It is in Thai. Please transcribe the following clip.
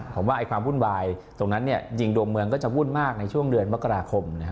ผมว่าไอ้ความวุ่นวายตรงนั้นเนี้ยจริงดวงเมืองก็จะวุ่นมากในช่วงเดือนวักกราคมเนี้ยครับ